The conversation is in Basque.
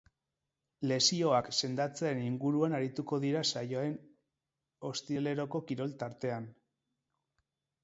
Lesioak sendatzearen inguruan arituko dira saioaren ostiraleroko kirol tartean.